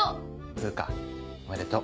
風香おめでとう。